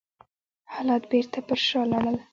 حالات بېرته پر شا لاړل.